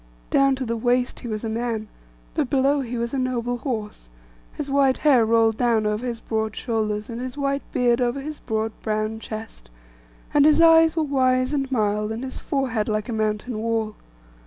Down to the waist he was a man, but below he was a noble horse; his white hair rolled down over his broad shoulders, and his white beard over his broad brown chest; and his eyes were wise and mild, and his forehead like a mountain wall.